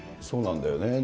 そうなんだよね。